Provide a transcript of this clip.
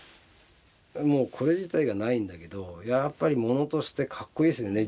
もうこれ自体がないんだけどやっぱり物としてかっこいいですよね。